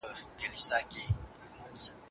فيوډالي نظام په اروپا کي حاکم و.